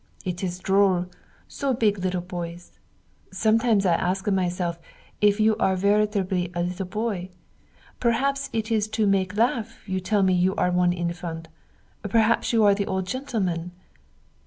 It is droll, so big little boys. Sometimes I ask myself if you are veritably a little boy. Perhaps it is to make laugh you tell me you are one infant. Perhaps you are the old gentleman.